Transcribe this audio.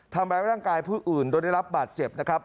ทำร้ายร่างกายผู้อื่นโดยได้รับบาดเจ็บนะครับ